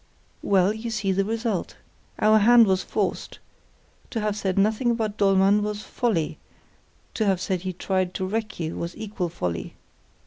"Well, you see the result. Our hand was forced. To have said nothing about Dollmann was folly—to have said he tried to wreck you was equal folly.